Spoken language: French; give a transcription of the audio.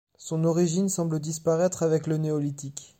Son origine semble disparaître avec le Néolithique.